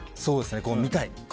そうですね、見たい。